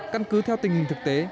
căn cứ theo tình hình thực tế